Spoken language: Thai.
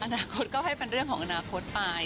อนาคตก็ให้เป็นเรื่องของอนาคตไป